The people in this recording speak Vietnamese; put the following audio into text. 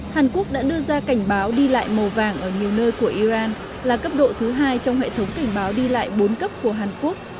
hàn quốc đã đưa ra cảnh báo đi lại màu vàng ở nhiều nơi của iran là cấp độ thứ hai trong hệ thống cảnh báo đi lại bốn cấp của hàn quốc